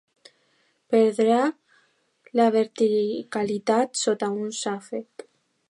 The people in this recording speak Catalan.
Perdrà la verticalitat sota un xàfec.